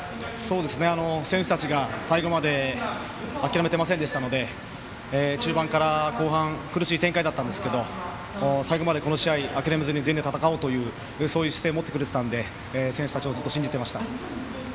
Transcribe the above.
選手たちが最後まで諦めていませんでしたので中盤から後半苦しい展開だったんですけど最後までこの試合、諦めずに全員で戦おうというそういう姿勢を持ってくれていたので選手たちをずっと信じてました。